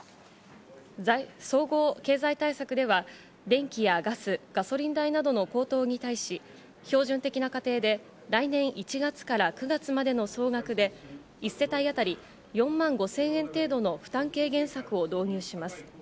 総合経済対策では電気やガス、ガソリン代などの高騰に対し、標準的な家庭で来年１月から９月までの総額で１世帯あたり４万５０００円程度の負担軽減策を導入します。